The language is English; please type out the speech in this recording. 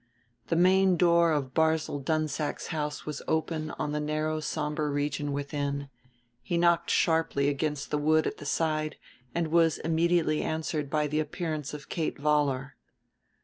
The main door of Barzil Dunsack's house was open on the narrow somber region within; he knocked sharply against the wood at the side and was immediately answered by the appearance of Kate Vollar.